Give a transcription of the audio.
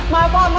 maaf pak maaf